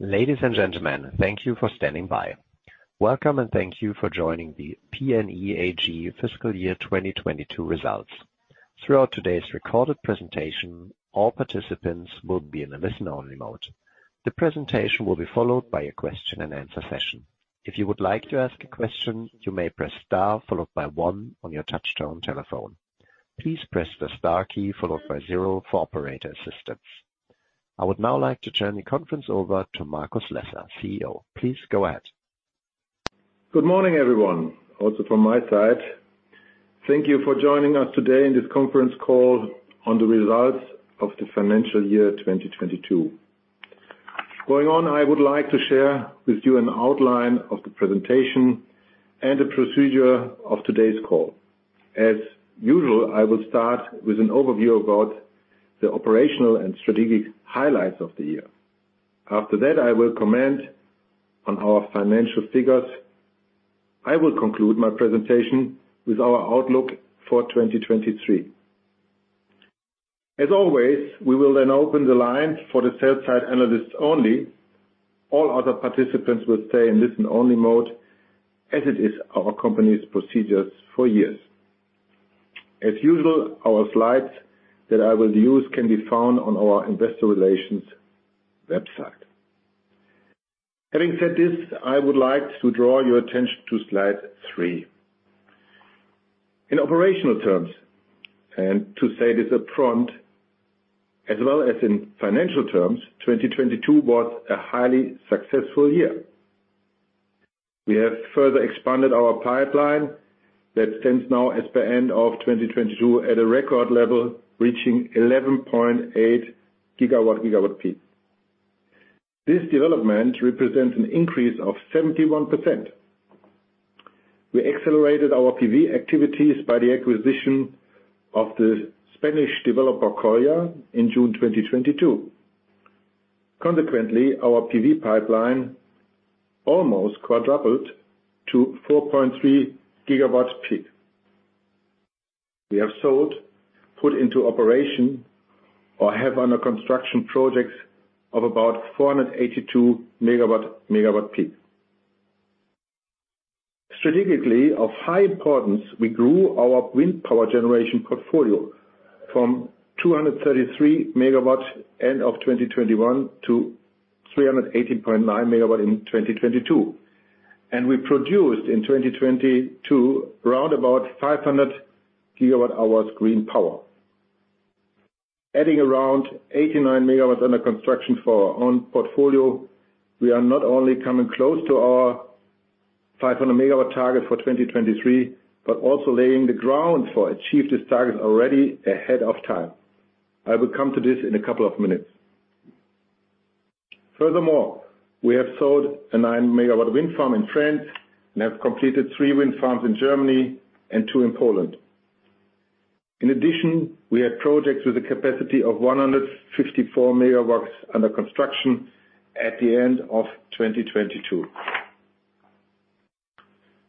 Ladies and gentlemen, thank you for standing by. Welcome. Thank you for joining the PNE AG fiscal year 2022 results. Throughout today's recorded presentation, all participants will be in a listen-only mode. The presentation will be followed by a question-and-answer session. If you would like to ask a question, you may press star, followed by one on your touch-tone telephone. Please press the star key followed by zero for operator assistance. I would now like to turn the conference over to Markus Lesser, CEO. Please go ahead. Good morning, everyone. Also from my side, thank you for joining us today in this conference call on the results of the financial year 2022. Going on, I would like to share with you an outline of the presentation and the procedure of today's call. As usual, I will start with an overview about the operational and strategic highlights of the year. After that, I will comment on our financial figures. I will conclude my presentation with our outlook for 2023. As always, we will then open the line for the sell-side analysts only. All other participants will stay in listen-only mode as it is our company's procedures for years. As usual, our slides that I will use can be found on our investor relations website. Having said this, I would like to draw your attention to slide 3. In operational terms, and to say this upfront, as well as in financial terms, 2022 was a highly successful year. We have further expanded our pipeline that stands now as per end of 2022 at a record level, reaching 11.8 GW peak. This development represents an increase of 71%. We accelerated our PV activities by the acquisition of the Spanish developer KOLYA in June 2022. Consequently, our PV pipeline almost quadrupled to 4.3 GW peak. We have sold, put into operation, or have under construction projects of about 482 MW peak. Strategically, of high importance, we grew our wind power generation portfolio from 233 MW end of 2021 to 380.9 MW in 2022, and we produced in 2022 round about 500 GWh green power. Adding around 89 MW under construction for our own portfolio, we are not only coming close to our 500 megawatt target for 2023, but also laying the ground for achieve this target already ahead of time. I will come to this in a couple of minutes. We have sold a 9 MW wind farm in France and have completed 3 wind farms in Germany and 2 in Poland. We have projects with a capacity of 154 MW under construction at the end of 2022.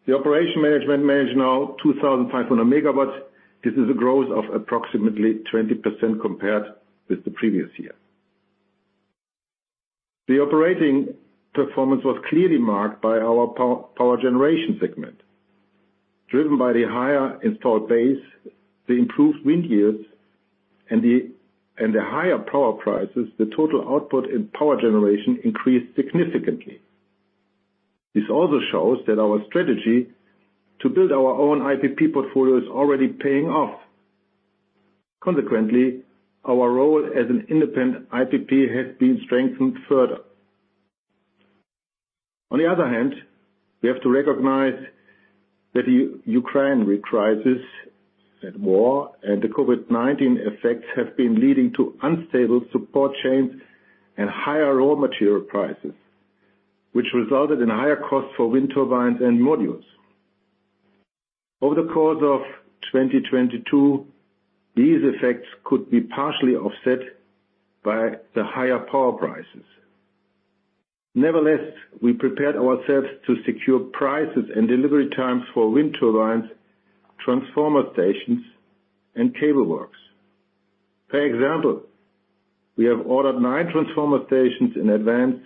The operation management manage now 2,500 MW. This is a growth of approximately 20% compared with the previous year. The operating performance was clearly marked by our power generation segment. Driven by the higher installed base, the improved wind years, and the higher power prices, the total output in power generation increased significantly. This also shows that our strategy to build our own IPP portfolio is already paying off. Consequently, our role as an independent IPP has been strengthened further. On the other hand, we have to recognize that the Ukraine crisis and war and the COVID-19 effects have been leading to unstable support chains and higher raw material prices, which resulted in higher costs for wind turbines and modules. Over the course of 2022, these effects could be partially offset by the higher power prices. Nevertheless, we prepared ourselves to secure prices and delivery times for wind turbines, transformer stations, and cable works. For example, we have ordered 9 transformer stations in advance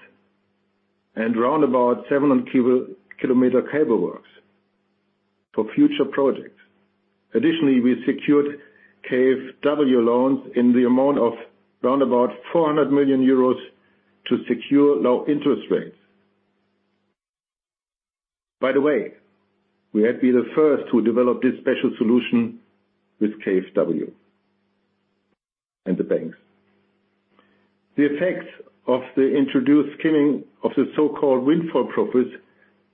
and round about 700 km cable works for future projects. Additionally, we secured KfW loans in the amount of round about 400 million euros to secure low-interest rates. By the way, we had been the first to develop this special solution with KfW and the banks. The effects of the introduced skimming of the so-called windfall profits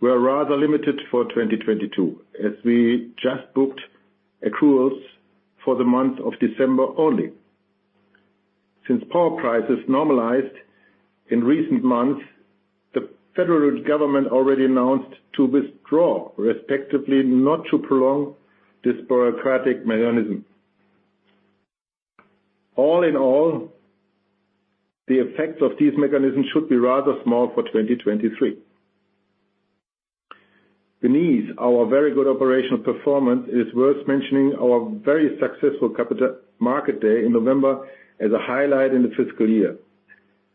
were rather limited for 2022, as we just booked accruals for the month of December only. Since power prices normalized in recent months, the federal government already announced to withdraw, respectively, not to prolong this bureaucratic mechanism. All in all, the effects of these mechanisms should be rather small for 2023. Beneath our very good operational performance, it is worth mentioning our very successful capital market day in November as a highlight in the fiscal year.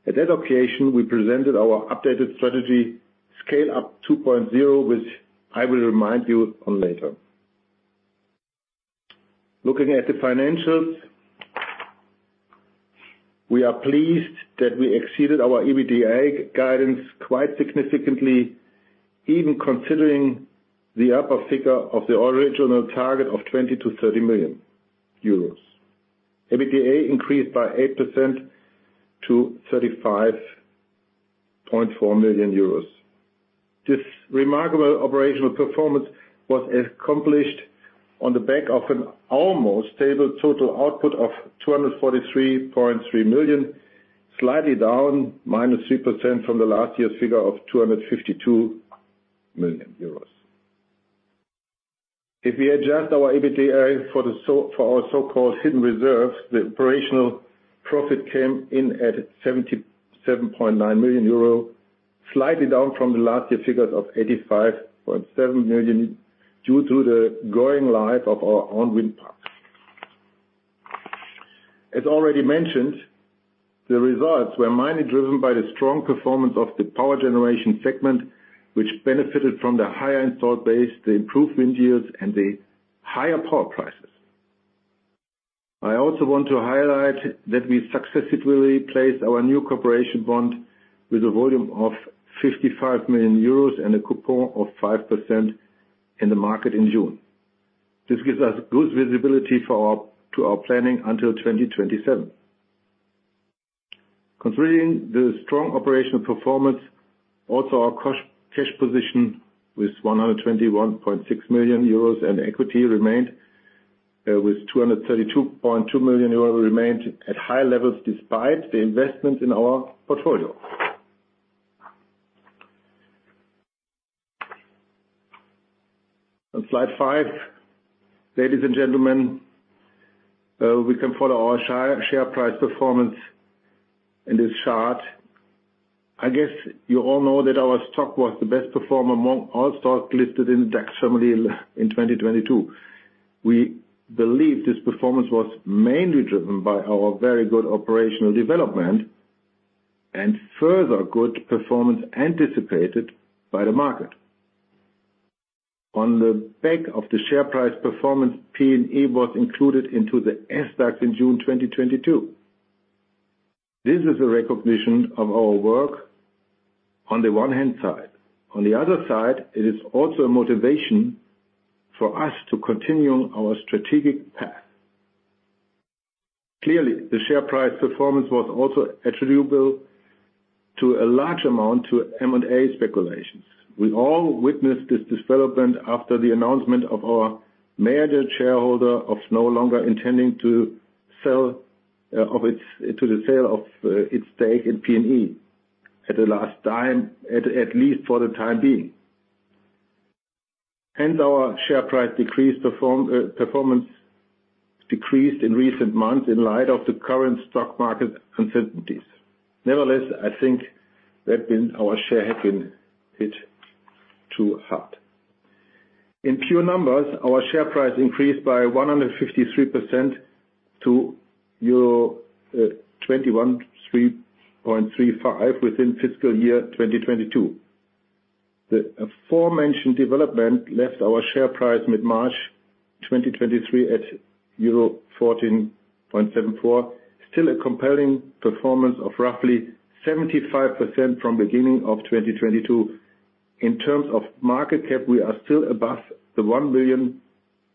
At that occasion, we presented our updated strategy, Scale up 2.0, which I will remind you on later. Looking at the financials, we are pleased that we exceeded our EBITDA guidance quite significantly, even considering the upper figure of the original target of 20 million-30 million euros. EBITDA increased by 8% to 35.4 million euros. This remarkable operational performance was accomplished on the back of an almost stable total output of 243.3 million, slightly down -3% from the last year's figure of 252 million euros. If we adjust our EBITDA for our so-called hidden reserves, the operational profit came in at 77.9 million euro, slightly down from the last year figures of 85.7 million due to the growing life of our own wind parks. As already mentioned, the results were mainly driven by the strong performance of the power generation segment, which benefited from the higher installed base, the improved wind yields, and the higher power prices. I also want to highlight that we successfully placed our new corporation bond with a volume of 55 million euros and a coupon of 5% in the market in June. This gives us good visibility to our planning until 2027. Considering the strong operational performance, also our cash position with 121.6 million euros and equity remained with 232.2 million euros at high levels despite the investment in our portfolio. On slide 5, ladies and gentlemen, we can follow our share price performance in this chart. I guess you all know that our stock was the best performer among all stocks listed in the DAX family in 2022. We believe this performance was mainly driven by our very good operational development and further good performance anticipated by the market. On the back of the share price performance, PNE was included into the SDAX in June 2022. This is a recognition of our work on the one hand side. On the other side, it is also a motivation for us to continue our strategic path. Clearly, the share price performance was also attributable to a large amount to M&A speculations. We all witnessed this development after the announcement of our major shareholder of no longer intending to sell to the sale of its stake in PNE at least for the time being. Our share price performance decreased in recent months in light of the current stock market uncertainties. I think our share had been hit too hard. In pure numbers, our share price increased by 153% to euro 21.35 within fiscal year 2022. The aforementioned development left our share price mid-March 2023 at euro 14.74, still a compelling performance of roughly 75% from beginning of 2022. In terms of market cap, we are still above the 1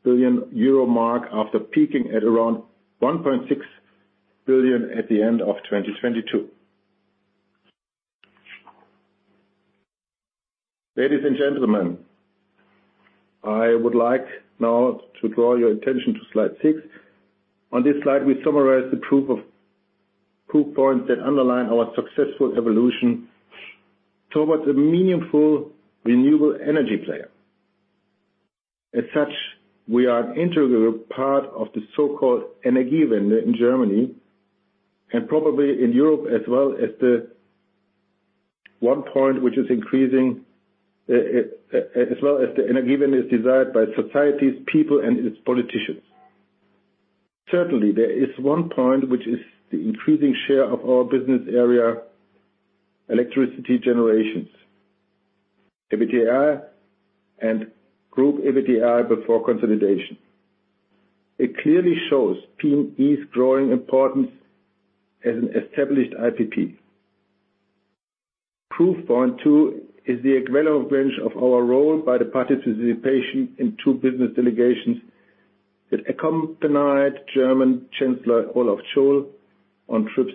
billion euro mark after peaking at around 1.6 billion at the end of 2022. Ladies and gentlemen, I would like now to draw your attention to slide six. On this slide, we summarize the proof points that underline our successful evolution towards a meaningful renewable energy player. As such, we are an integral part of the so-called Energiewende in Germany, and probably in Europe as well as the one point which is increasing, as well as the Energiewende is desired by societies, people and its politicians. Certainly, there is one point which is the increasing share of our business area, electricity generations, EBITDA and group EBITDA before consolidation. It clearly shows PNE's growing importance as an established IPP. Proof point two is the acknowledgement of our role by the participation in two business delegations that accompanied German Chancellor Olaf Scholz on trips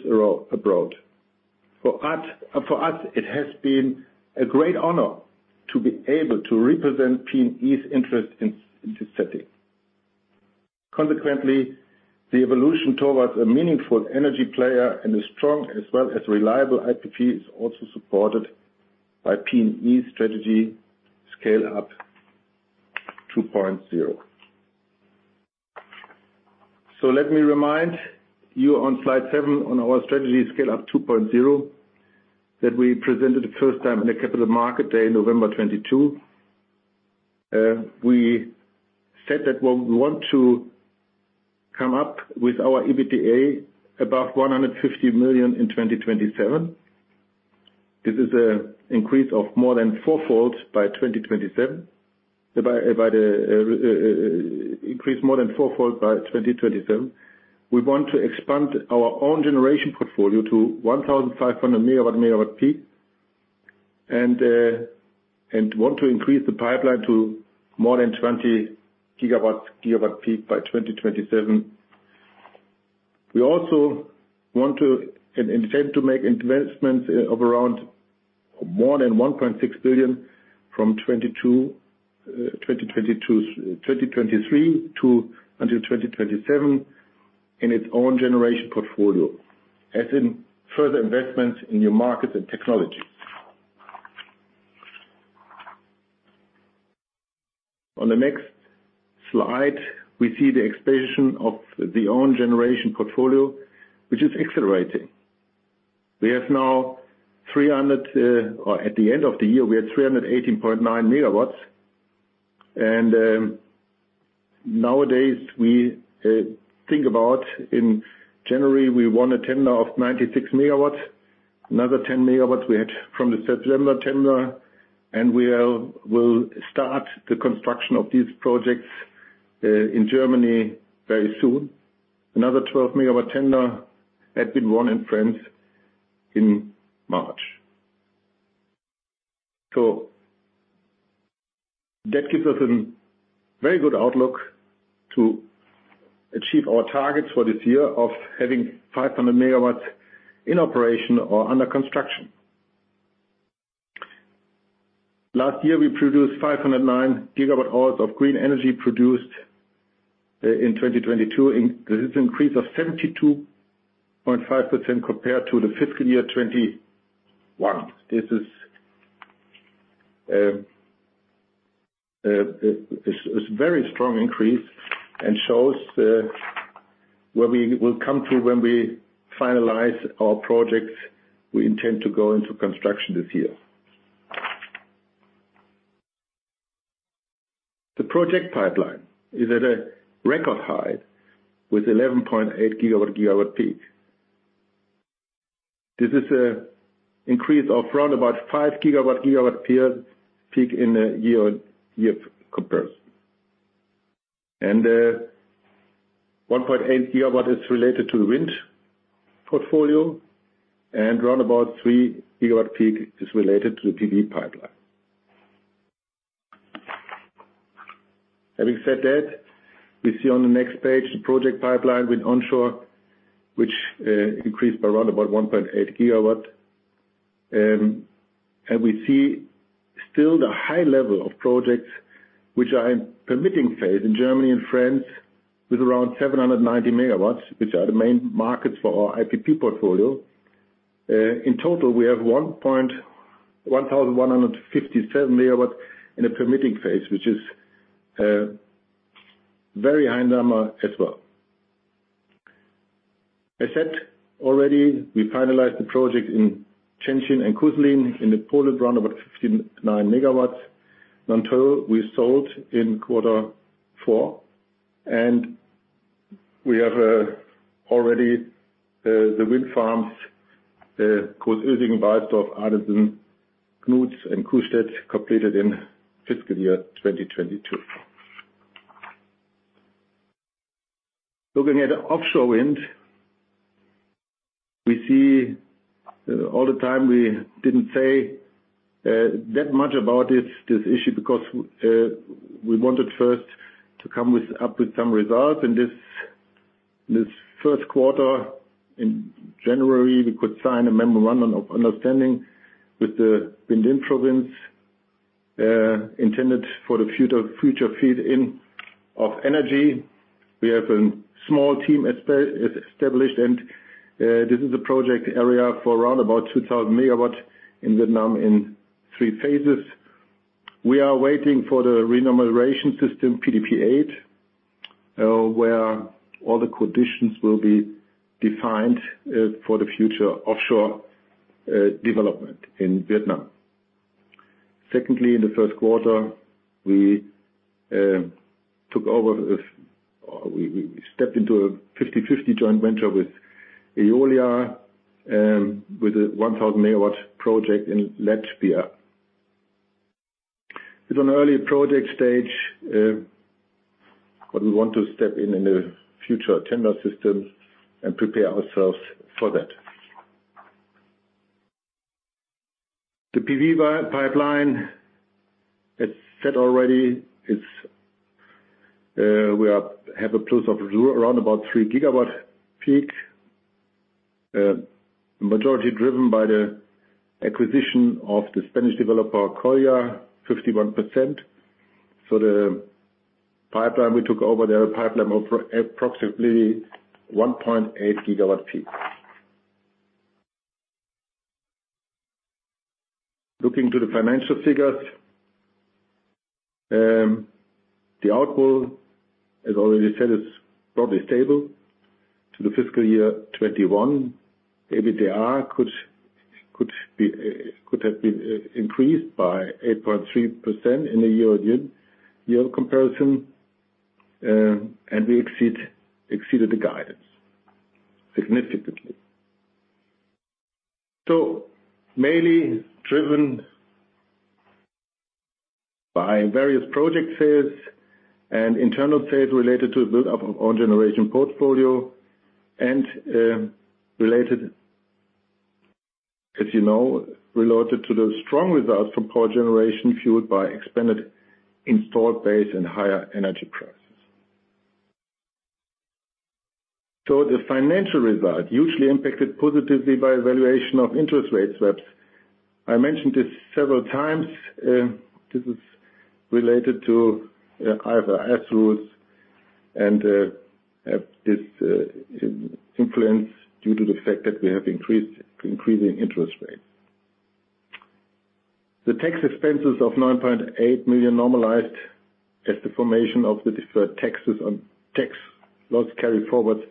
abroad. For us, it has been a great honor to be able to represent PNE's interest in this setting. The evolution towards a meaningful energy player and a strong as well as reliable IPP is also supported by PNE's strategy Scale up 2.0. Let me remind you on slide 7 on our strategy Scale up 2.0, that we presented the first time in the capital market day, November 2022. We said that we want to come up with our EBITDA above 150 million in 2027. This is a increase of more than four-fold by 2027. By the increase more than four-fold by 2027. We want to expand our own generation portfolio to 1,500 megawatt peak. Want to increase the pipeline to more than 20 GW peak by 2027. We also want to, and intend to make investments of around more than 1.6 billion from 2022, 2023 to until 2027, in its own generation portfolio, as in further investments in new markets and technology. On the next slide, we see the expansion of the own generation portfolio, which is accelerating. We have now, or at the end of the year, we had 318.9 MW. Nowadays we think about in January, we won a tender of 96 MW, another 10 MW we had from the September tender, we will start the construction of these projects in Germany very soon. Another 12 MW tender had been won in France in March. That gives us a very good outlook to achieve our targets for this year of having 500 MW in operation or under construction. Last year, we produced 509 GW hours of green energy produced in 2022. In this increase of 72.5% compared to the fiscal year 2021. This is a very strong increase and shows where we will come to when we finalize our projects we intend to go into construction this year. The project pipeline is at a record high with 11.8 GW peak. This is a increase of round about 5 GW peak in a year compares. 1.8 GW is related to wind portfolio, and round about 3 GW peak is related to the PV pipeline. Having said that, we see on the next page, the project pipeline with onshore, which increased by round about 1.8 GW. We see still the high level of projects which are in permitting phase in Germany and France with around 790 MW, which are the main markets for our IPP portfolio. In total, we have 1,157 MW in a permitting phase, which is a very high number as well. I said already, we finalized the project in Krzecin and Kuslin in the Poland, round about 59 MW. Nanteuil, we sold in quarter four, we have already the wind farms Groß Oesingen, Wahlsdorf, Arcen, Gnutz and Kuhstedt completed in fiscal year 2022. Looking at offshore wind, we see all the time we didn't say that much about it, this issue, because we wanted first to come with, up with some results. In this first quarter in January, we could sign a memorandum of understanding with the Binh Dinh Province, intended for the future feed in of energy. We have a small team established, and this is a project area for around about 2,000 MW in Vietnam in three phases. We are waiting for the remuneration system, PDP8, where all the conditions will be defined for the future offshore development in Vietnam. Secondly, in the first quarter, we took over with, we stepped into a 50/50 joint venture with Eolus, with a 1,000 MW project in Latvia. It's on early project stage. We want to step in in the future tender systems and prepare ourselves for that. The PV pipeline, it said already, it's, we are, have a plus of around 3 GW peak, majority driven by the acquisition of the Spanish developer, KOLYA, 51%. The pipeline we took over there, a pipeline of approximately 1.8 GW peak. Looking to the financial figures, the output, as already said, is probably stable to the fiscal year 2021. EBITDA could have been increased by 8.3% in the year-on-year comparison. We exceeded the guidance significantly. Mainly driven by various project sales and internal sales related to the build up of our generation portfolio and, as you know, related to the strong results from power generation, fueled by expanded installed base and higher energy prices. The financial result usually impacted positively by valuation of interest rates. I mentioned this several times, this is related to IFRS rules and this influence due to the fact that we have increasing interest rates. The tax expenses of 9.8 million normalized as the formation of the deferred taxes on tax loss carry-forwards,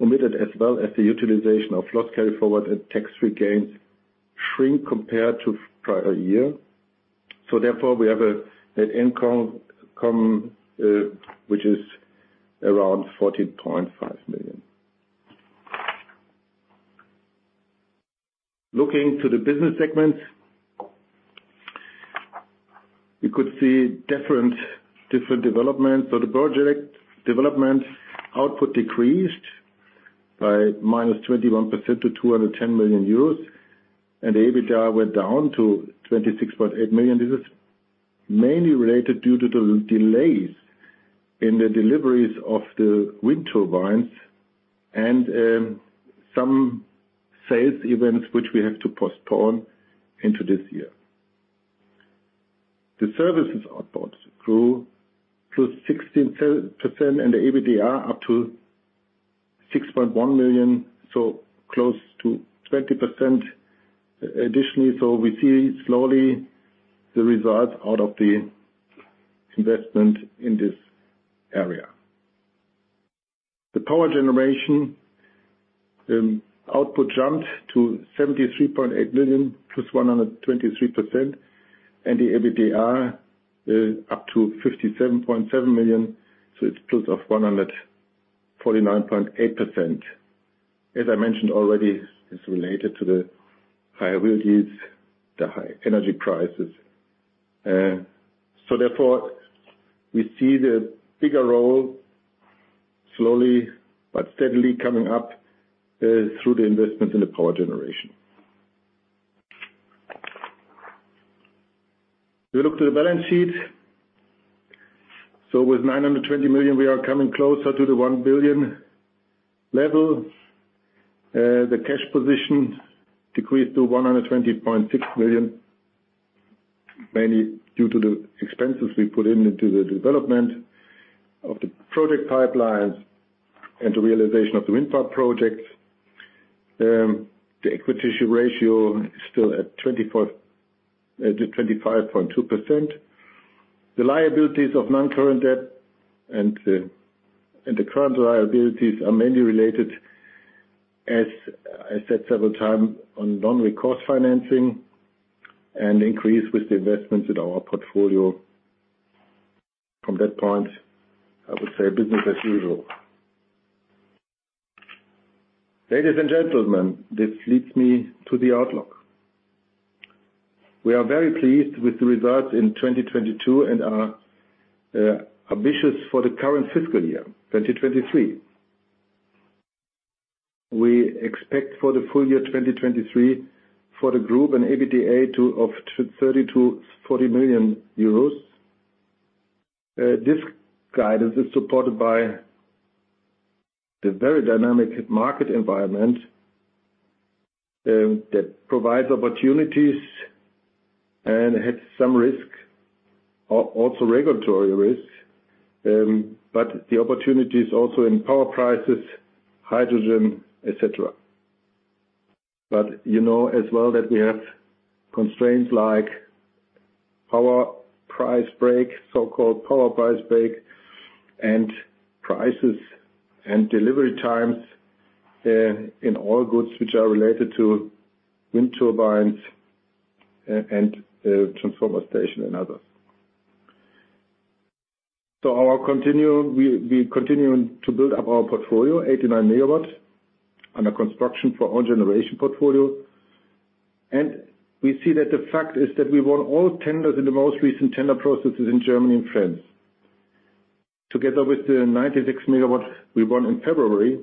omitted as well as the utilization of loss carry-forward and tax regains shrink compared to prior year. Therefore, we have a net income which is around 14.5 million. Looking to the business segments, we could see different developments. The project development output decreased by -21% to 210 million euros and the EBITDA went down to 26.8 million. This is mainly related due to the delays in the deliveries of the wind turbines and some sales events which we have to postpone into this year. The services output grew +16% and the EBITDA up to 6.1 million, so close to 20% additionally. We see slowly the results out of the investment in this area. The power generation output jumped to 73.8 million +123%, and the EBITDA up to 57.7 million, so it's +149.8%. As I mentioned already, it's related to the higher yields, the high energy prices. Therefore, we see the bigger role slowly but steadily coming up through the investments in the power generation. We look to the balance sheet. With 920 million, we are coming closer to the 1 billion level. The cash position decreased to 120.6 million, mainly due to the expenses we put into the development of the project pipelines and the realization of the wind farm projects. The equity ratio is still at 25.2%. The liabilities of non-current debt and the current liabilities are mainly related, as I said several times, on non-recourse financing and increase with the investments in our portfolio. From that point, I would say business as usual. Ladies and gentlemen, this leads me to the outlook. We are very pleased with the results in 2022 and are ambitious for the current fiscal year, 2023. We expect for the full year 2023 for the group an EBITDA of 30 million-40 million euros. This guidance is supported by the very dynamic market environment that provides opportunities and has some risk, also regulatory risks. The opportunities also in power prices, hydrogen, etc. You know as well that we have constraints like power price brake, so-called power price brake, and prices and delivery times in all goods which are related to wind turbines and transformer station and others. We continue to build up our portfolio, 89 MW under construction for our generation portfolio. The fact is that we won all tenders in the most recent tender processes in Germany and France. Together with the 96 MW we won in February,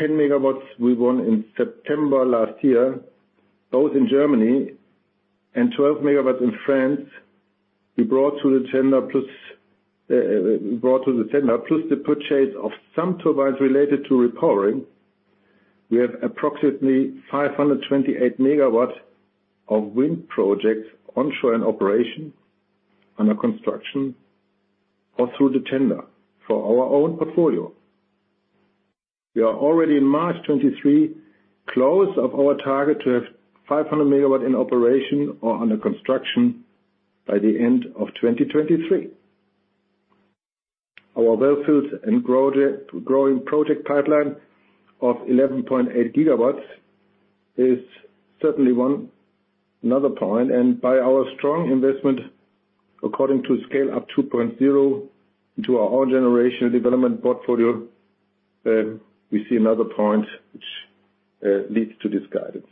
10 MW we won in September last year, both in Germany, and 12 MW in France. We brought to the tender plus, we brought to the tender plus the purchase of some turbines related to repowering. We have approximately 528 MW of wind projects onshore in operation, under construction or through the tender for our own portfolio. We are already in March 2023, close of our target to have 500 MW in operation or under construction by the end of 2023. Our well-filled and growing project pipeline of 11.8 GW is certainly one, another point. By our strong investment, according to Scale up 2.0 into our own generation development portfolio, we see another point which leads to this guidance.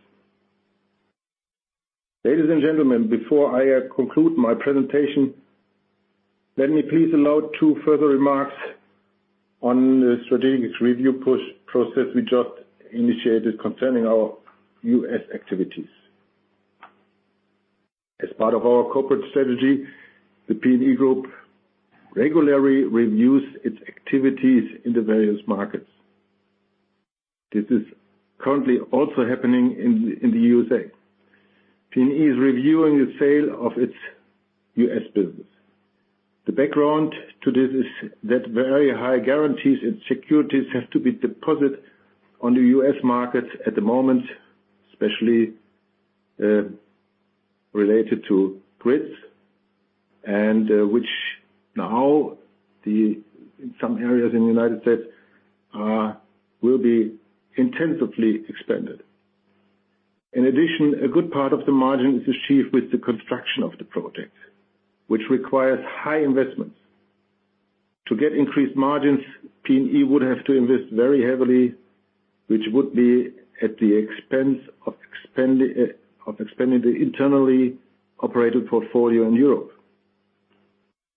Ladies and gentlemen, before I conclude my presentation, let me please allow two further remarks on the strategic review process we just initiated concerning our US activities. As part of our corporate strategy, the PNE Group regularly reviews its activities in the various markets. This is currently also happening in the USA. PNE is reviewing the sale of its US business. The background to this is that very high guarantees and securities have to be deposited on the US market at the moment, especially related to grids, and which now the, in some areas in the United States, will be intensively expanded. In addition, a good part of the margin is achieved with the construction of the project, which requires high investments. To get increased margins, PNE would have to invest very heavily, which would be at the expense of expanding the internally operated portfolio in Europe.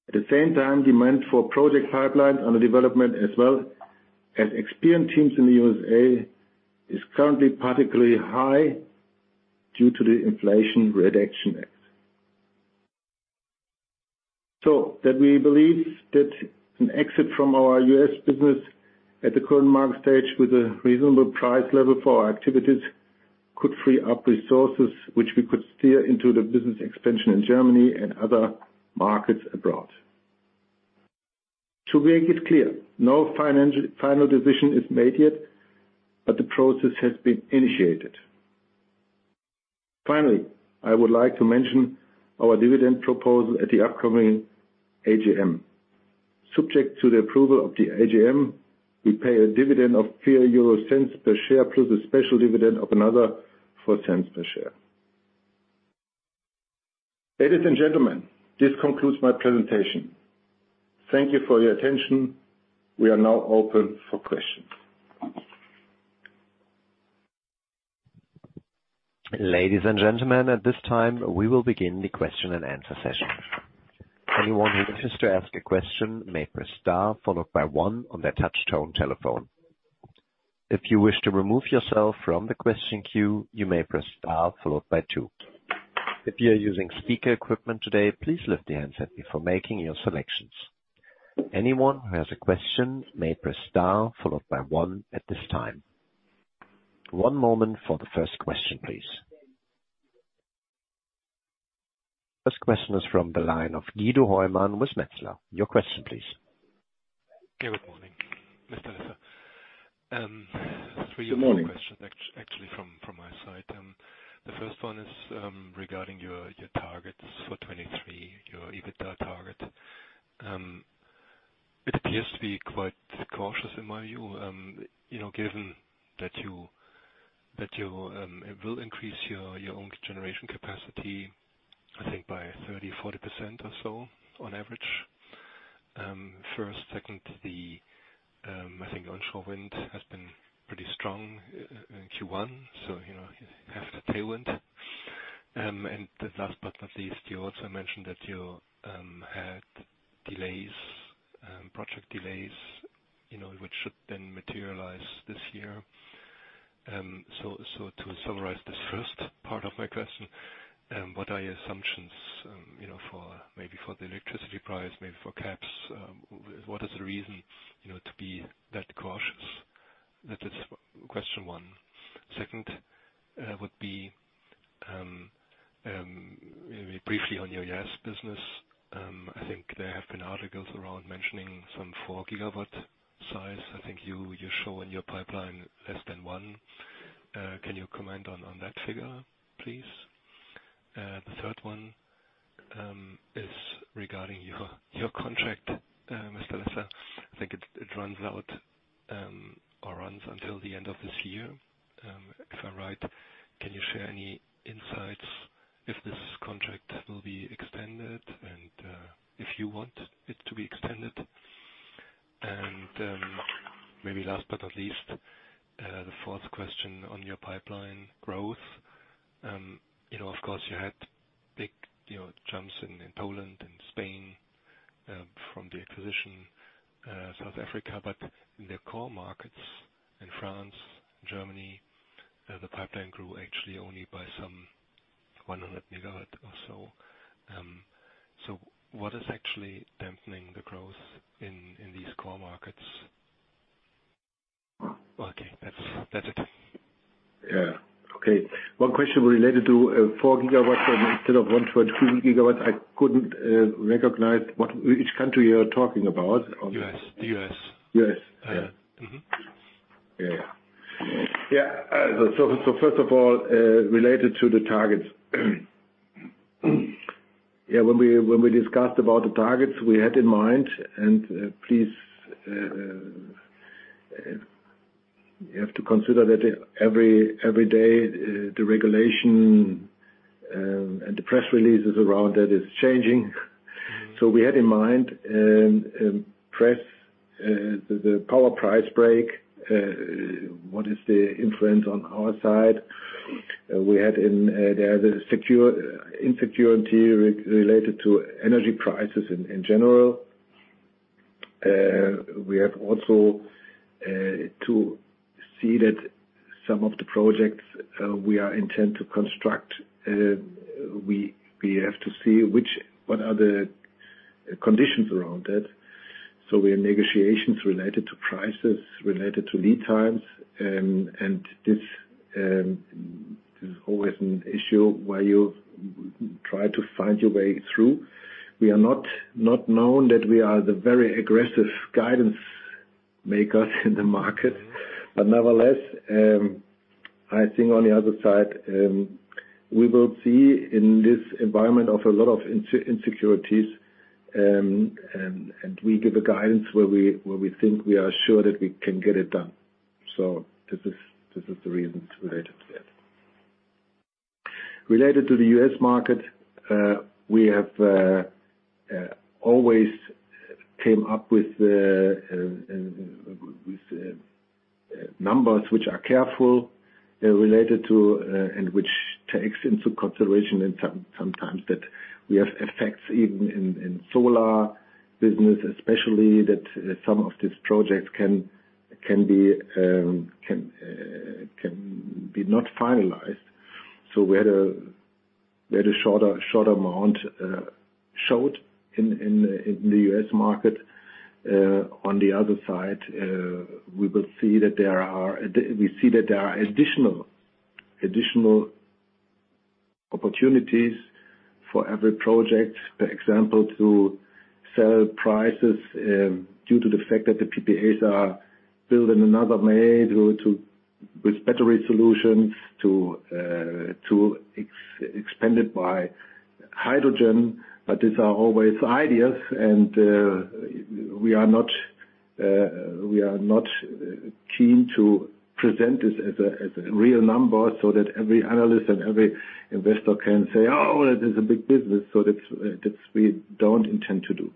At the same time, demand for project pipelines under development as well as experienced teams in the U.S. is currently particularly high due to the Inflation Reduction Act. We believe that an exit from our U.S. business at the current market stage with a reasonable price level for our activities could free up resources which we could steer into the business expansion in Germany and other markets abroad. To make it clear, no final decision is made yet, but the process has been initiated. Finally, I would like to mention our dividend proposal at the upcoming AGM. Subject to the approval of the AGM, we pay a dividend of 0.03 per share, plus a special dividend of another 0.04 per share. Ladies and gentlemen, this concludes my presentation. Thank you for your attention. We are now open for questions. Ladies and gentlemen, at this time, we will begin the question and answer session. Anyone who wishes to ask a question may press star followed by one on their touch tone telephone. If you wish to remove yourself from the question queue, you may press star followed by two. If you are using speaker equipment today, please lift the handset before making your selections. Anyone who has a question may press star followed by one at this time. One moment for the first question, please. First question is fr the line of Guido Hoymann with Metzler. Your question please. Okay. Good morning, Mr. Lesser. Good morning. Three quick questions actually from my side. The first one is regarding your targets for 2023, your EBITDA target. It appears to be quite cautious in my view, you know, given that you will increase your own generation capacity, I think by 30%-40% or so on average. First. Second, I think onshore wind has been pretty strong in Q1, so, you know, you have the tailwind. Last but not least, you also mentioned that you had delays, project delays, you know, which should then materialize this year. So to summarize this first part of my question, what are your assumptions, you know, for, maybe for the electricity price, maybe for caps? What is the reason, you know, to be that cautious? That is question one. Second, would be maybe briefly on your gas business. I think there have been articles around mentioning some 4 GW size. I think you show in your pipeline less than 1. Can you comment on that figure, please? The third one is regarding your contract, Mr. Lesser. I think it runs out or runs until the end of this year. If I'm right, can you share any insights if this contract will be extended and if you want it to be extended? Maybe last but not least, the fourth question on your pipeline growth. You know, of course, you had big, you know, jumps in Poland and Spain from the acquisition, South Africa. In the core markets in France, Germany, the pipeline grew actually only by some 100 MW or so. What is actually dampening the growth in these core markets? Okay, that's it. Yeah. Okay. One question related to 4 GW instead of 1.3 GW. I couldn't recognize which country you're talking about? U.S. The U.S. U.S. Yeah. Mm-hmm. Yeah, yeah. First of all, related to the targets. Yeah, when we discussed about the targets we had in mind, and please, you have to consider that every day, the regulation, and the press releases around that is changing. We had in mind the power price brake, what is the influence on our side? There's insecurity related to energy prices in general. We have also to see that some of the projects we intend to construct, we have to see what are the conditions around that. We have negotiations related to prices, related to lead times, and this is always an issue where you try to find your way through. We are not known that we are the very aggressive guidance makers in the market. Nevertheless, I think on the other side, we will see in this environment of a lot of insecurities, and we give a guidance where we think we are sure that we can get it done. This is the reason it's related to that. Related to the U.S. market, we have always came up with the numbers which are careful, related to and which takes into consideration and sometimes that we have effects even in solar business, especially that some of these projects can be not finalized. We had a shorter, short amount showed in the U.S. market. On the other side, we see that there are additional opportunities for every project, for example, to sell prices, due to the fact that the PPAs are built in another way with better resolutions, to expand it by hydrogen. These are always ideas, and we are not, we are not keen to present this as a, as a real number so that every analyst and every investor can say, "Oh, it is a big business." That's we don't intend to do.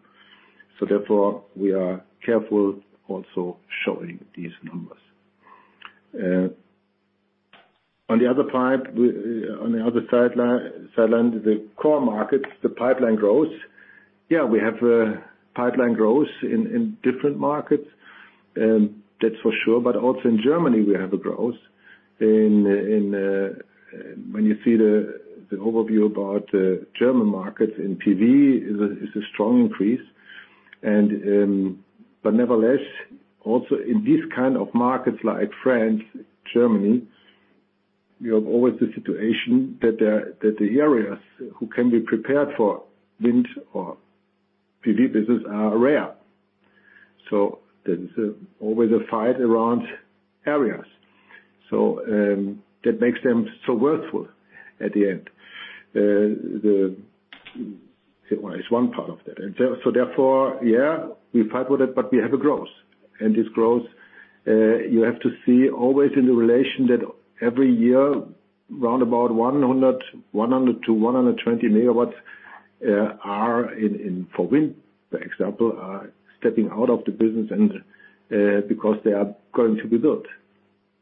Therefore, we are careful also showing these numbers. On the other side side line, the core markets, the pipeline growth. Yeah, we have pipeline growth in different markets, that's for sure. Also in Germany, we have a growth. In when you see the overview about the German market in PV, is a strong increase. Nevertheless, also in these kind of markets like France, Germany, you have always the situation that the areas who can be prepared for wind or PV business are rare. There's always a fight around areas. That makes them so worthwhile at the end. It's one part of that. Therefore, yeah, we fight with it, but we have a growth. This growth, you have to see always in the relation that every year, round about 100 MW-120 MW, for wind, for example, are stepping out of the business and because they are going to be built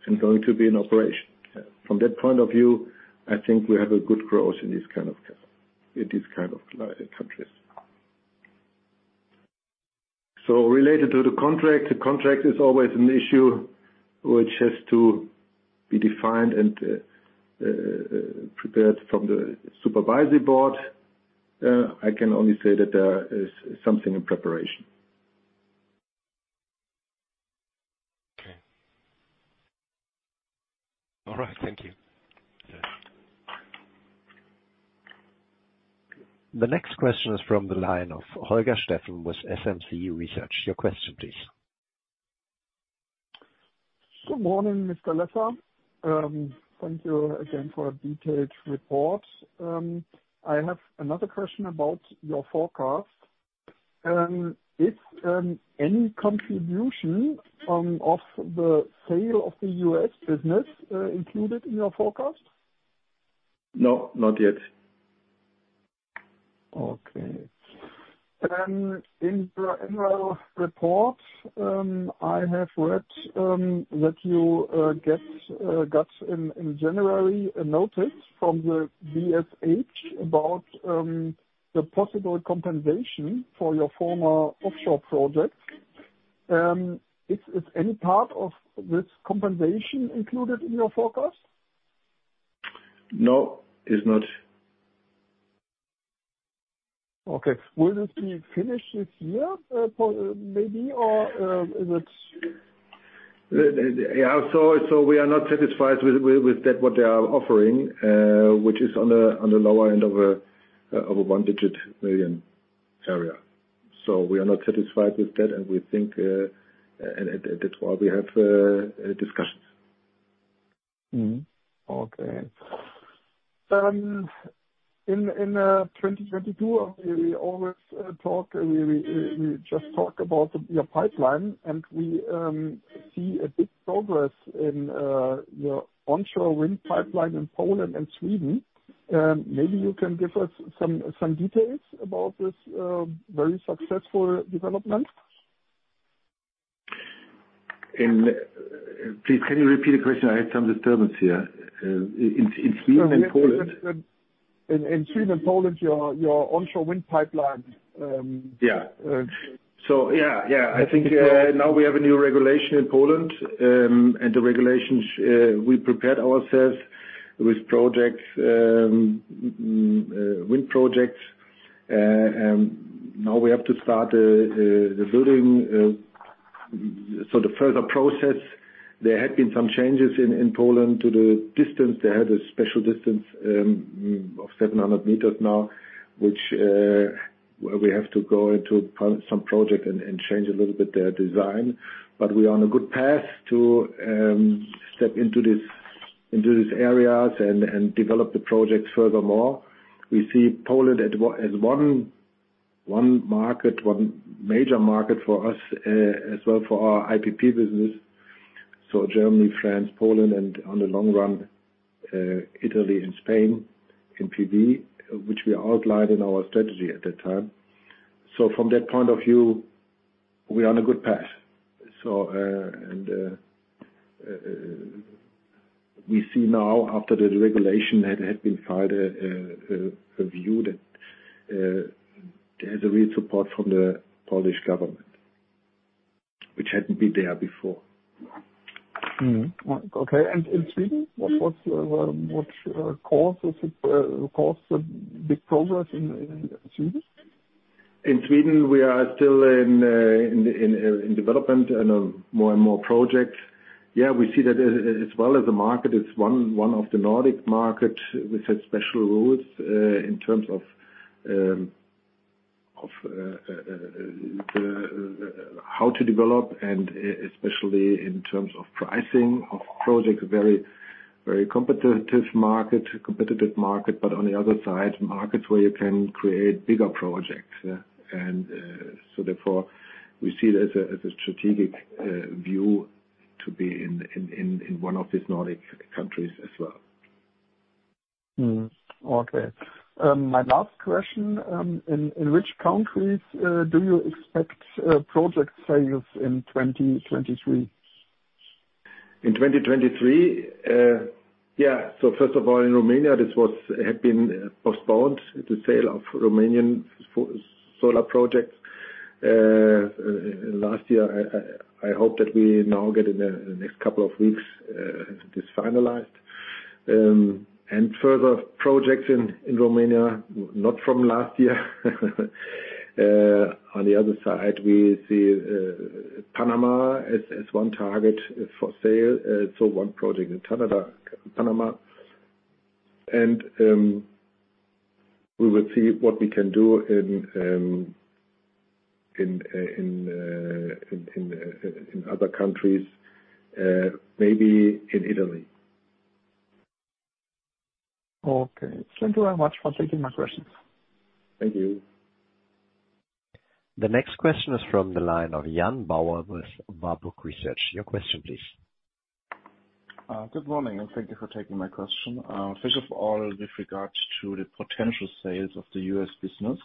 and going to be in operation. From that point of view, I think we have a good growth in this kind of case, in these kind of countries. Related to the contract, the contract is always an issue which has to be defined and prepared from the supervisory board. I can only say that there is something in preparation. Okay. All right, thank you. Yes. The next question is from the line of Holger Steffen with SMC Research. Your question, please. Good morning, Mr. Lesser. Thank you again for a detailed report. I have another question about your forecast. Is any contribution of the sale of the U.S. business included in your forecast? No, not yet. Okay. In the annual report, I have read that you get got in January a notice from the BSH about the possible compensation for your former offshore project. Is any part of this compensation included in your forecast? No, it's not. Will this be finished this year, maybe, or? Yeah, we are not satisfied with that what they are offering, which is on the lower end of a EUR 1-digit million area. We are not satisfied with that, and we think, and that's why we have discussions. Okay. In 2022, we just talk about your pipeline. We see a big progress in your onshore wind pipeline in Poland and Sweden. Maybe you can give us some details about this very successful development. Please, can you repeat the question? I had some disturbance here. In Sweden and Poland- In Sweden and Poland, your onshore wind pipeline. Yeah. I think now we have a new regulation in Poland. The regulations, we prepared ourselves with projects, wind projects. Now we have to start the building. The further process, there had been some changes in Poland to the distance. They had a special distance of 700m now, which we have to go into some project and change a little bit their design. We are on a good path to step into these areas and develop the project furthermore. We see Poland as one major market for us, as well for our IPP business, so Germany, France, Poland, and on the long run, Italy and Spain in PV, which we outlined in our strategy at that time. From that point of view, we are on a good path. We see now after the regulation that had been filed, a view that there's a real support from the Polish government, which hadn't been there before. Mm-hmm. Okay. In Sweden, what cause the big progress in Sweden? In Sweden, we are still in development in a more and more project. Yeah, we see that as well as the market is one of the Nordic market with its special rules, in terms of how to develop and especially in terms of pricing of projects, very competitive market, but on the other side, markets where you can create bigger projects. Therefore, we see it as a strategic view to be in one of these Nordic countries as well. Okay. My last question, in which countries do you expect project sales in 2023? In 2023, yeah. First of all, in Romania, had been postponed, the sale of Romanian solar projects, last year. I hope that we now get in the next couple of weeks, this finalized. Further projects in Romania, not from last year. On the other side, we see Panama as one target for sale. One project in Canada, Panama. We will see what we can do in other countries, maybe in Italy. Okay. Thank you very much for taking my questions. Thank you. The next question is from the line of Jan Bauer with Warburg Research. Your question, please. Good morning, thank you for taking my question. First of all, with regards to the potential sales of the U.S. business,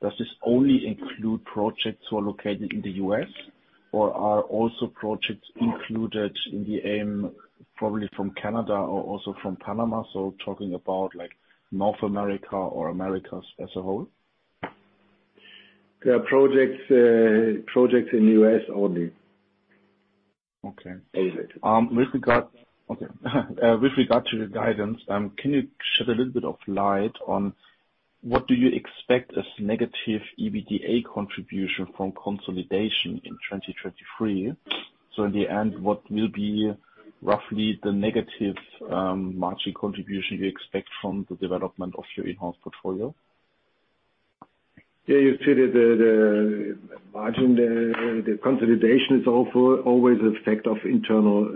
does this only include projects who are located in the U.S., or are also projects included in the aim, probably from Canada or also from Panama, so talking about like North America or Americas as a whole? There are projects in U.S. only. Okay. As it. With regard to the guidance, can you shed a little bit of light on what do you expect as negative EBITDA contribution from consolidation in 2023? In the end, what will be roughly the negative margin contribution you expect from the development of your enhanced portfolio? Yeah, you see the margin, the consolidation is also always a effect of internal,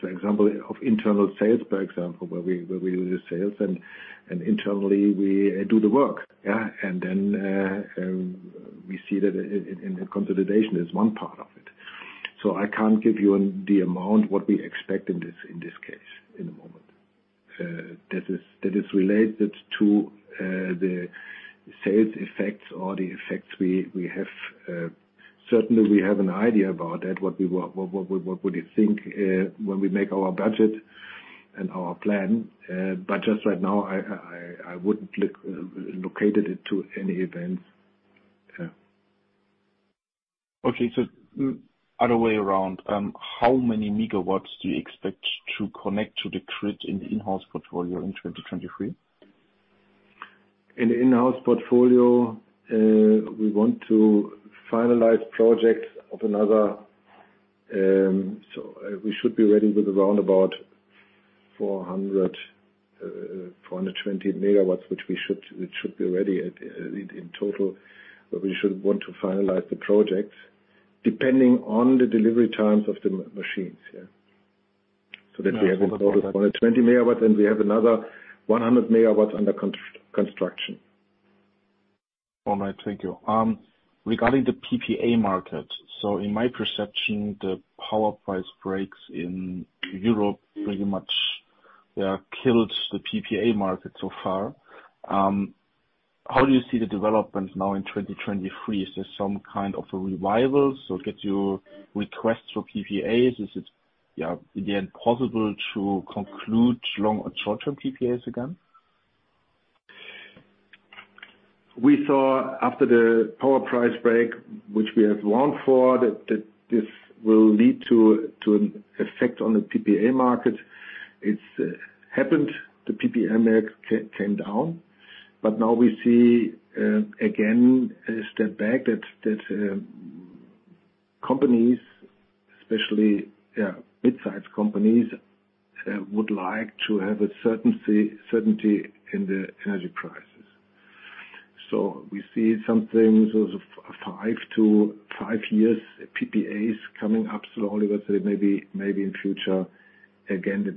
for example, of internal sales, where we do the sales and internally we do the work. Yeah. Then we see that in consolidation is one part of it. I can't give you the amount, what we expect in this case in a moment. That is related to the sales effects or the effects we have. Certainly, we have an idea about that, what we, what would you think, when we make our budget and our plan. Just right now, I wouldn't locate it to any events. Yeah. Okay, other way around, how many MW do you expect to connect to the grid in the in-house portfolio in 2023? In the in-house portfolio, we want to finalize projects of another, we should be ready with around about 400 MW, 420 MW, which should be ready in total. We should want to finalize the projects depending on the delivery times of the machines, yeah. That we have in total 420 MW, and we have another 100 MW under construction. All right, thank you. Regarding the PPA market, in my perception, the power price brakes in Europe pretty much, yeah, killed the PPA market so far. How do you see the development now in 2023? Is there some kind of a revival? Get your requests for PPAs? Is it, yeah, again, possible to conclude long or short-term PPAs again? We saw after the power price brake, which we have longed for, that this will lead to an effect on the PPA market. It's happened, the PPA market came down. But now we see again a step back that companies, especially, yeah, mid-sized companies, would like to have a certainty in the energy prices. So we see some things of five-five years PPAs coming up slowly, but maybe in future, again, the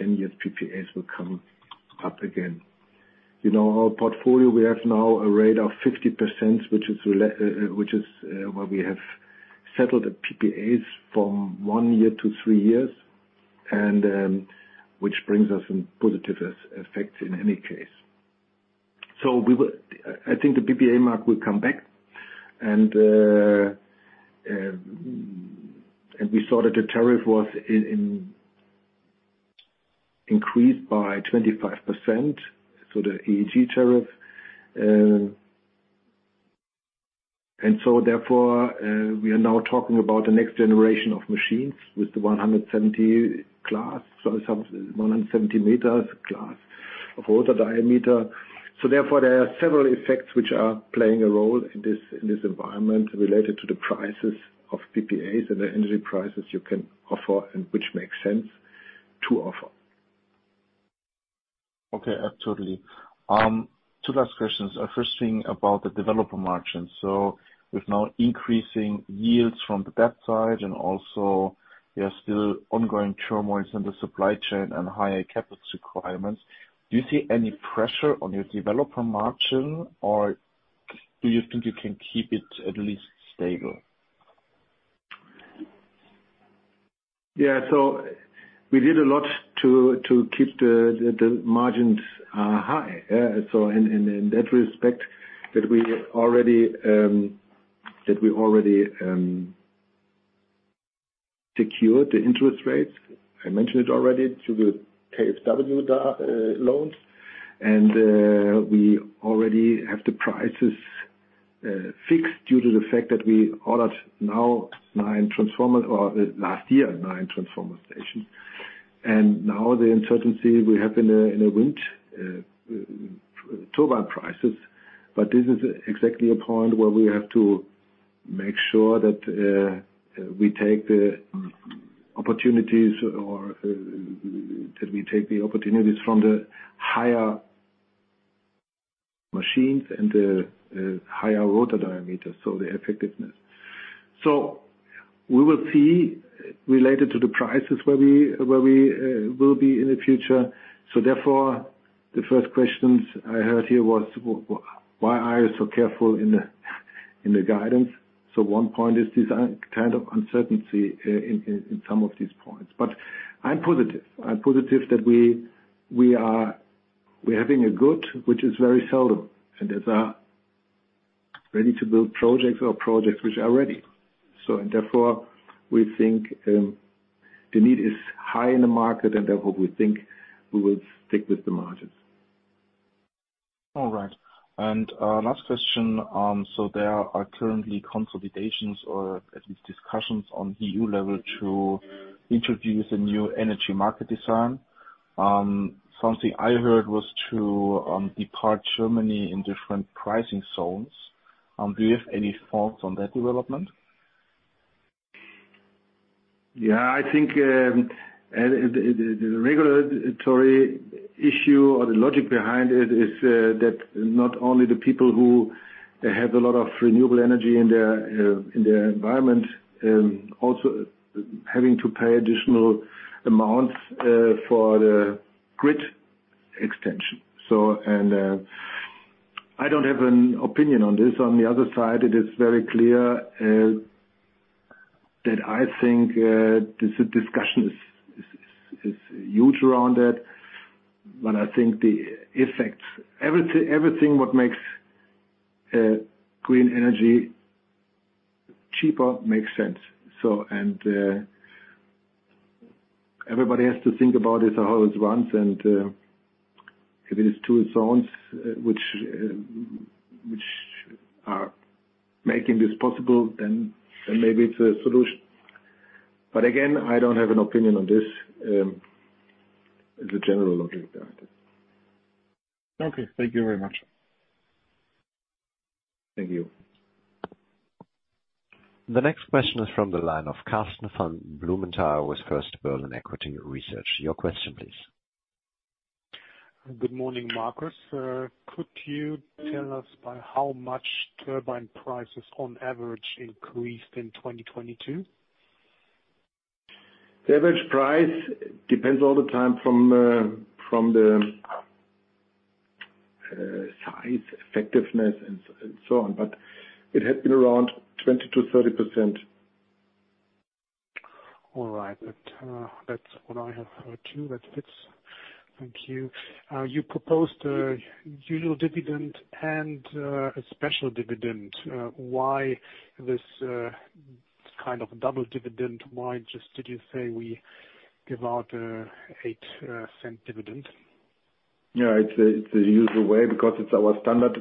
10-10 years PPAs will come up again. You know, our portfolio, we have now a rate of 50%, which is which is where we have settled the PPAs from one year to three years, and which brings us some positive effects in any case. I think the PPA market will come back and we saw that the tariff was increased by 25%, so the EEG tariff. Therefore, we are now talking about the next generation of machines with the 170 class, so some 170m class of rotor diameter. Therefore, there are several effects which are playing a role in this, in this environment related to the prices of PPAs and the energy prices you can offer and which makes sense to offer. Okay, absolutely. two last questions. First thing about the developer margin. With now increasing yields from the debt side and also, still ongoing turmoils in the supply chain and higher capital requirements, do you see any pressure on your developer margin, or do you think you can keep it at least stable? We did a lot to keep the margins high. So in that respect that we already secured the interest rates, I mentioned it already, through the KfW loans. We already have the prices fixed due to the fact that we ordered last year, nine transformer stations. Now the uncertainty we have in a wind turbine prices, this is exactly a point where we have to make sure that we take the opportunities or that we take the opportunities from the higher machines and the higher rotor diameter, so the effectiveness. We will see related to the prices where we will be in the future. Therefore, the first questions I heard here was why are you so careful in the guidance? One point is this kind of uncertainty in some of these points. I'm positive. I'm positive that we're having a good, which is very seldom, and there's a ready-to-build projects or projects which are ready. Therefore, we think the need is high in the market and therefore we think we will stick with the margins. All right. Last question. There are currently consolidations or at least discussions on EU level to introduce a new energy market design. Something I heard was to depart Germany in different pricing zones. Do you have any thoughts on that development? Yeah. I think the regulatory issue or the logic behind it is that not only the people who have a lot of renewable energy in their environment also having to pay additional amounts for the grid extension. I don't have an opinion on this. On the other side, it is very clear that I think this discussion is huge around it, but I think the effects, everything what makes green energy cheaper makes sense. Everybody has to think about it as a whole advance, and if it is two zones which are making this possible, then maybe it's a solution. I don't have an opinion on this, the general logic there. Okay. Thank you very much. Thank you. The next question is from the line of Karsten von Blumenthal with First Berlin Equity Research. Your question please. Good morning, Markus. Could you tell us by how much turbine prices on average increased in 2022? Average price depends all the time from the, size, effectiveness and so on. It had been around 20%-30%. All right. That's what I have heard too. That fits. Thank you. You proposed a usual dividend and, a special dividend. Why this, kind of double dividend? Why just did you say we give out, 0.08 dividend? Yeah. It's the, it's the usual way because it's our standard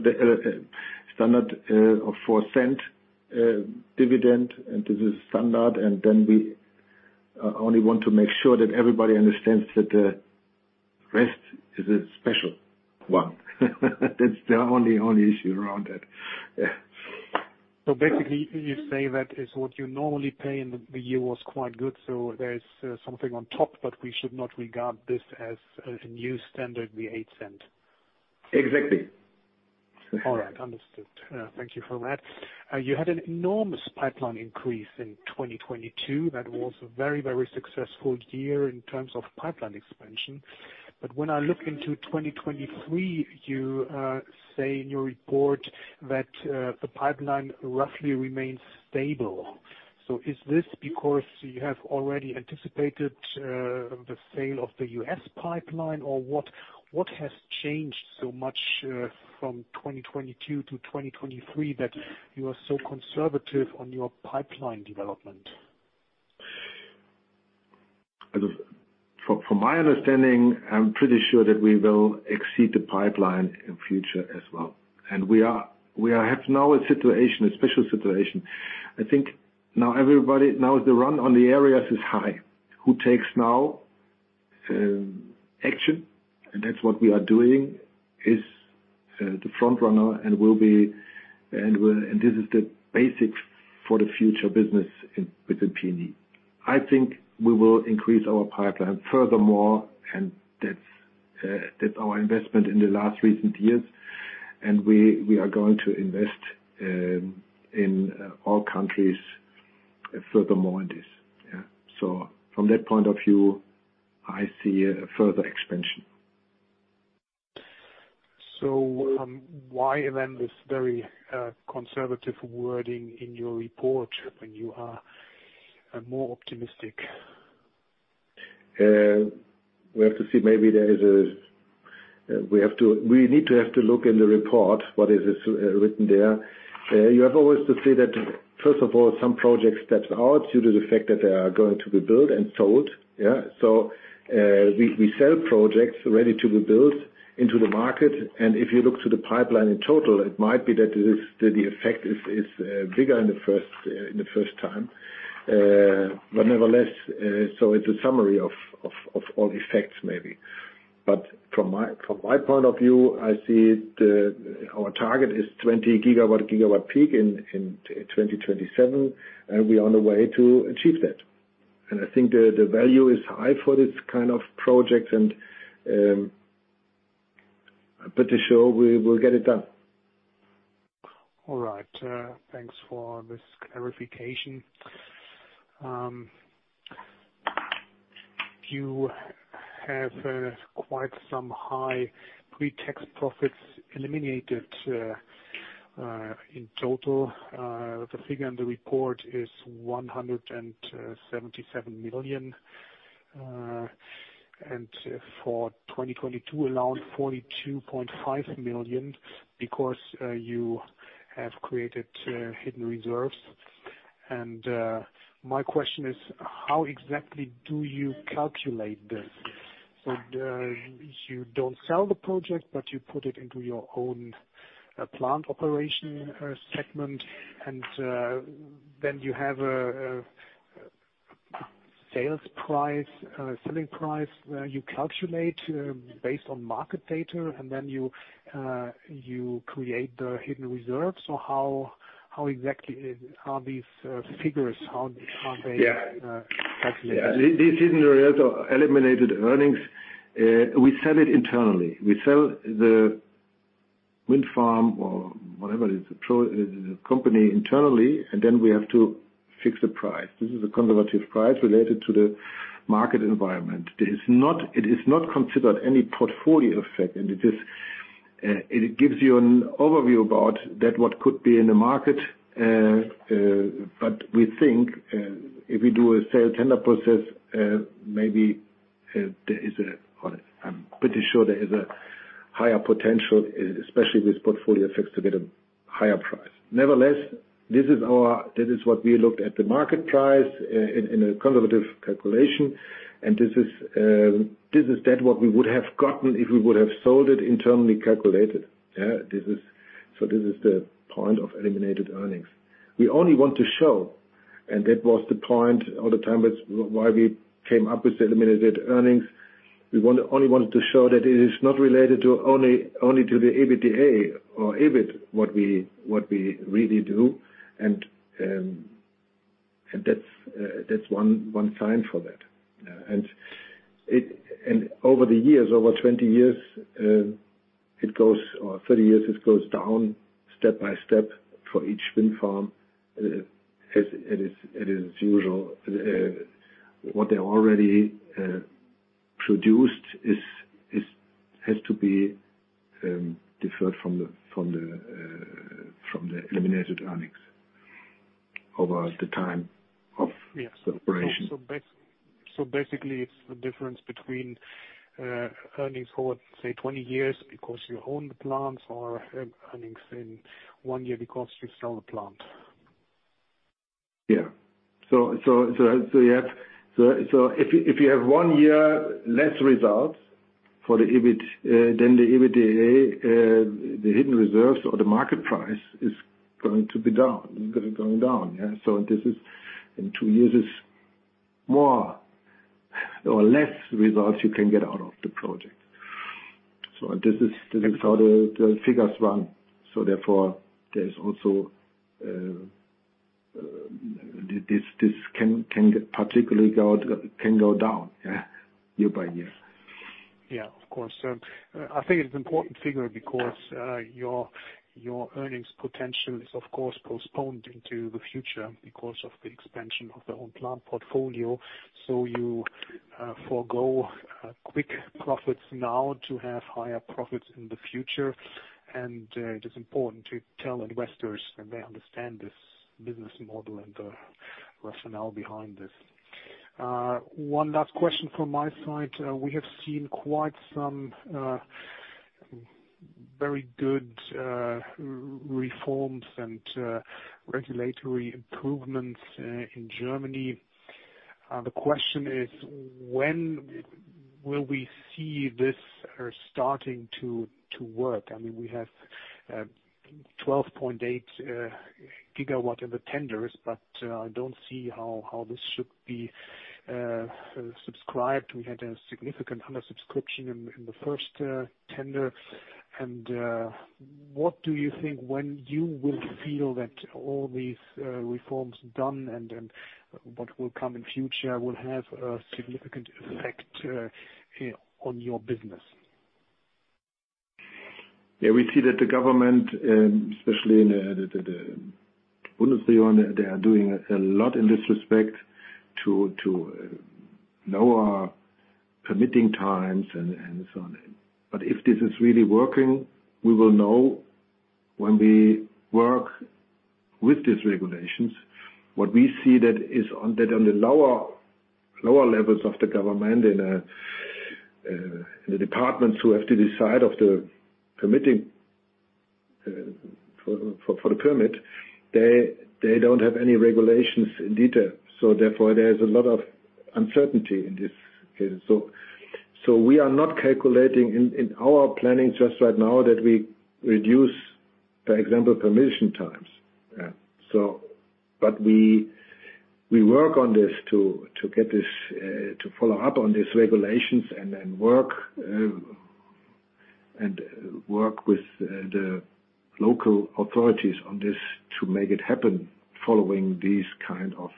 standard of 0.04 dividend, and this is standard. Then we only want to make sure that everybody understands that the rest is a special one. That's the only issue around that. Yeah. Basically you say that is what you normally pay, and the year was quite good, so there is something on top, but we should not regard this as a new standard, the EUR 0.08. Exactly. All right. Understood. Thank you for that. You had an enormous pipeline increase in 2022. That was a very, very successful year in terms of pipeline expansion. When I look into 2023, you say in your report that the pipeline roughly remains stable. Is this because you have already anticipated the sale of the U.S. pipeline? What has changed so much from 2022 to 2023, that you are so conservative on your pipeline development? From my understanding, I'm pretty sure that we will exceed the pipeline in future as well. We are have now a situation, a special situation. I think now everybody. Now the run on the areas is high. Who takes now action, and that's what we are doing, is the front runner and will be. And this is the basics for the future business in, within PNE. I think we will increase our pipeline furthermore, and that's our investment in the last recent years. We are going to invest in, all countries furthermore in this. Yeah. From that point of view, I see a further expansion. Why then this very conservative wording in your report when you are more optimistic? We have to see. We need to have to look in the report, what is written there. You have always to see that, first of all, some projects steps out due to the fact that they are going to be built and sold. Yeah. We sell projects ready to be built into the market. If you look to the pipeline in total, it might be that the effect is bigger in the first, in the first time. But nevertheless, it's a summary of all effects maybe. From my point of view, Our target is 20 GW peak in 2027, we're on the way to achieve that. I think the value is high for this kind of projects, and I'm pretty sure we will get it done. All right. Thanks for this clarification. You have quite some high pre-tax profits eliminated in total. The figure in the report is 177 million and for 2022 alone, 42.5 million because you have created hidden reserves. My question is, how exactly do you calculate this? You don't sell the project, but you put it into your own plant operation segment. Then you have a sales price, a selling price, you calculate based on market data, and then you create the hidden reserves. How exactly are these figures? Yeah. are calculated? These hidden reserves are eliminated earnings. We sell it internally. We sell the wind farm or whatever it is, the company internally, then we have to fix the price. This is a conservative price related to the market environment. It is not considered any portfolio effect, it gives you an overview about that what could be in the market, we think if we do a sale tender process, maybe, or I'm pretty sure there is a higher potential, especially with portfolio effects, to get a higher price. Nevertheless, this is what we looked at the market price in a conservative calculation. This is that what we would have gotten if we would have sold it internally calculated. This is the point of eliminated earnings. We only want to show, and that was the point all the time with why we came up with the eliminated earnings. We only wanted to show that it is not related to only to the EBITDA or EBIT, what we really do. That's one sign for that. Over the years, over 20 years, it goes or 30 years, it goes down step by step for each wind farm, as it is usual. What they already produced is has to be deferred from the eliminated earnings over the time of- Yes. -separation. Basically it's the difference between earnings for, say, 20 years because you own the plants or earnings in one year because you sell the plant. Yeah. If you have one year less results for the EBIT than the EBITDA, the hidden reserves or the market price is going to be down. It's going to be going down, yeah. This is, in two years, it's more or less results you can get out of the project. This is how the figures run. Therefore, there's also, this can go down, yeah, year by year. Of course. I think it's important figure because your earnings potential is of course postponed into the future because of the expansion of their own plant portfolio. You forego quick profits now to have higher profits in the future. It is important to tell investors that they understand this business model and the rationale behind this. One last question from my side. We have seen quite some very good reforms and regulatory improvements in Germany. The question is when will we see this starting to work? I mean, we have 12.8 GW in the tenders, but I don't see how this should be subscribed. We had a significant undersubscription in the first tender. What do you think when you will feel that all these reforms done and then what will come in future will have a significant effect here on your business? Yeah, we see that the government, especially in the Bundesrepublik, they are doing a lot in this respect to lower permitting times and so on. If this is really working, we will know when we work with these regulations. What we see that is on the lower levels of the government in the departments who have to decide of the permitting for the permit, they don't have any regulations in detail. Therefore, there's a lot of uncertainty in this. We are not calculating in our planning just right now that we reduce, for example, permission times. Yeah. We work on this to get this to follow up on these regulations and then work with the local authorities on this to make it happen following these kind of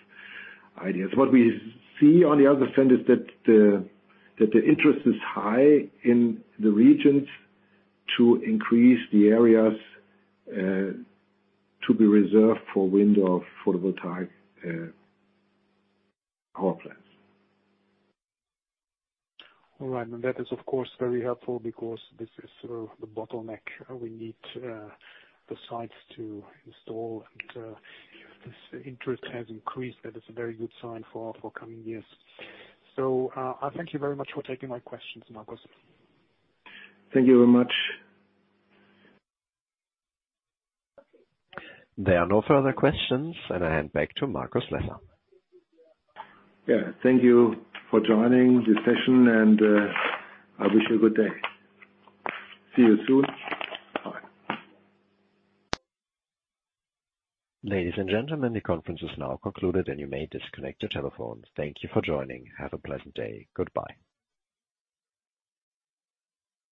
ideas. What we see on the other side is that the interest is high in the regions to increase the areas to be reserved for wind or photovoltaic power plants. All right. That is of course very helpful because this is the bottleneck. We need the sites to install and if this interest has increased, that is a very good sign for coming years. I thank you very much for taking my questions, Markus. Thank you very much. There are no further questions, and I hand back to Markus Lesser. Yeah. Thank you for joining this session. I wish you a good day. See you soon. Bye. Ladies and gentlemen, the conference is now concluded, and you may disconnect your telephones. Thank you for joining. Have a pleasant day. Goodbye.